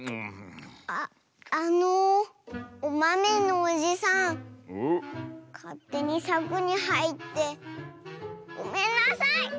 あっあのおまめのおじさんかってにさくにはいってごめんなさい！